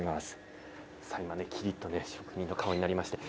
今、きりっと職人の顔になりました。